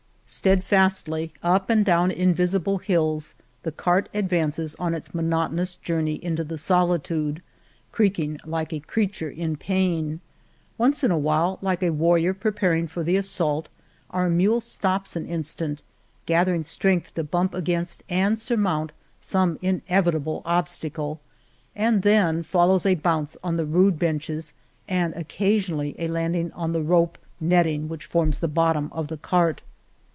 Steadfastly, up and down invisible hills, the cart advances on its monotonous jour ney into the solitude, creaking like a creat ure in pain. Once in awhile, like a warrior preparing for the assault, our mule stops an instant, gathering strength to bump against and surmount some inevitable obstacle, and then follows a bounce on the rude benches and occasionally a landing on the rope 65 The Cave of Montesinos netting which forms the bottom of the cart.